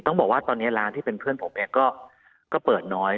ต้องบอกว่าตอนนี้ร้านที่เป็นเพื่อนผมเนี่ยก็เปิดน้อย